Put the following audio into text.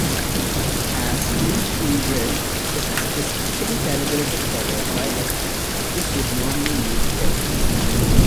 As each Ingrid is specifically calibrated for their pilot, this would normally mean death.